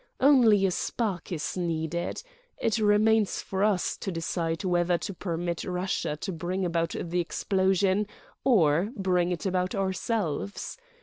Only a spark is needed. It remains for us to decide whether to permit Russia to bring about the explosion or—bring it about ourselves.